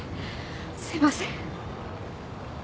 すいません